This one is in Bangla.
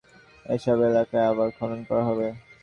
প্রকল্পের কাজ বুঝিয়ে দেওয়ার সময় এসব এলাকায় আবার খনন করা হবে।